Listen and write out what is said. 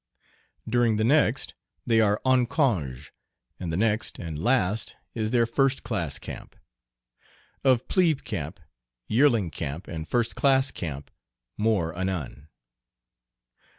During the next, they are en congé, and the next and last is their "first class camp." Of "plebe camp," "yearling camp," and "first class camp," more anon.